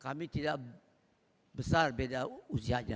kami tidak besar beda usianya